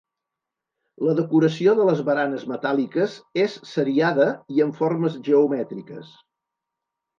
La decoració de les baranes metàl·liques és seriada i amb formes geomètriques.